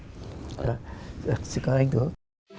dạ xin cám ơn anh thưa ông